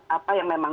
apa yang memang